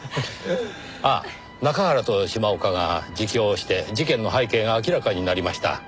ああ中原と島岡が自供をして事件の背景が明らかになりました。